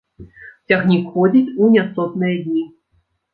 Цягнік ходзіць у няцотныя дні.